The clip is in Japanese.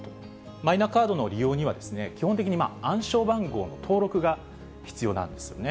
マイナカードの利用には、基本的に暗証番号の登録が必要なんですね。